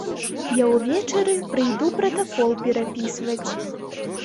Я ўвечары прыйду пратакол перапісваць.